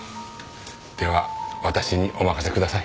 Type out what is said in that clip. では私にお任せください。